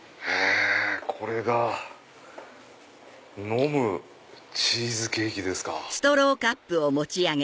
これが飲むチーズケーキですか。